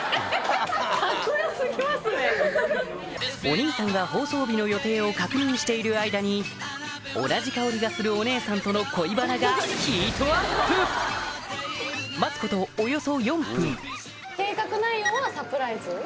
お兄さんが放送日の予定を確認している間に同じ香りがするお姉さんとの計画内容はサプライズ？